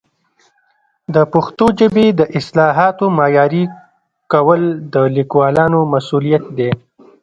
د پښتو ژبې د اصطلاحاتو معیاري کول د لیکوالانو مسؤلیت دی.